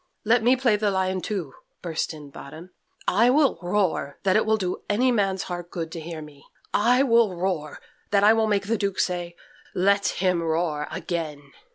"Let me play the lion, too," burst in Bottom. "I will roar that it will do any man's heart good to hear me. I will roar that I will make the Duke say: 'Let him roar again.